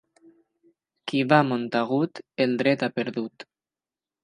Qui va a Montagut el dret ha perdut.